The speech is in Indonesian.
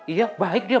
iya baik dia